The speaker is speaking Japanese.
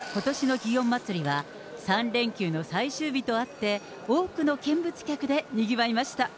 ４年ぶりの通常開催となったことしの祇園祭は、３連休の最終日とあって、多くの見物客でにぎわいました。